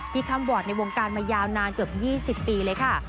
คำวอร์ดในวงการมายาวนานเกือบ๒๐ปีเลยค่ะ